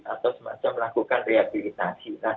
atau semacam melakukan rehabilitasi